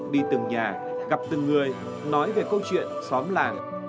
đi từng nhà gặp từng người nói về câu chuyện xóm làng